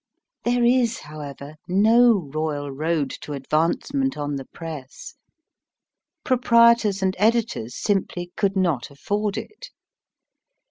There is, however, no royal road to advancement on the Press. Proprietors and editors simply could not afford it.